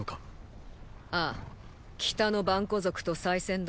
ああ北のバンコ族と再戦だ。